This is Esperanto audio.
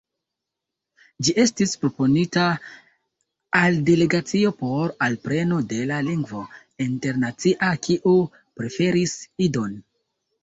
Ĝi estis proponita al Delegacio por alpreno de la lingvo internacia, kiu preferis Idon.